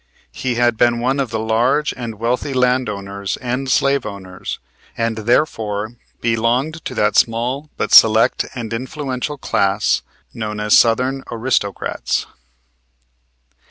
He had been one of the large and wealthy landowners and slave owners, and therefore belonged to that small but select and influential class known as Southern aristocrats.